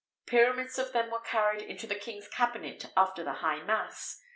Pyramids of them were carried into the king's cabinet after the high mass.